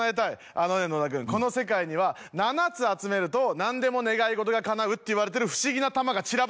あのね野田君この世界には７つ集めると何でも願い事がかなうっていわれてる不思議な玉が散らばってんのよ。